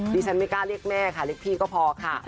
ดิฉันไม่กล้าเรียกแม่ค่ะเรียกพี่ก็พอค่ะ